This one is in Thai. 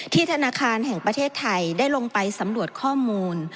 ธนาคารแห่งประเทศไทยได้ลงไปสำรวจข้อมูล